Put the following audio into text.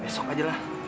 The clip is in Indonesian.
besok aja lah